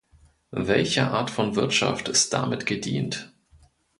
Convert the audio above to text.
Welcher Art von Wirtschaft ist damit gedient?